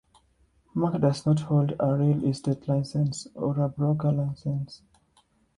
Mark does not hold a real estate license or a broker license.